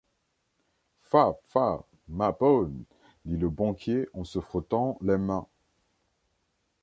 Fa, fa, ma ponne, dit le banquier en se frottant les mains.